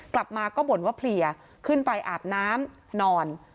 กลับมาก็บ่นว่าเพลียขึ้นไปอาบน้ำนอน